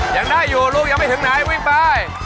ยังได้อยู่ลูกยังไม่ถึงไหนวิ่งไป